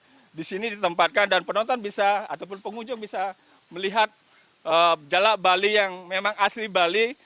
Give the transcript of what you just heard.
di tempat ini ada burung burung yang ditempatkan dan penonton bisa ataupun pengunjung bisa melihat jalak bali yang memang asli bali